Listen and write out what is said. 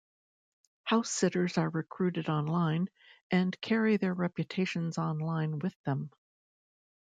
House sitters are recruited online and carry their reputations online with them.